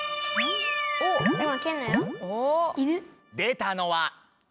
出たのは「犬」。